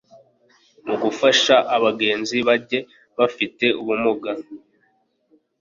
mu gufasha bagenzi banjye bafite ubumuga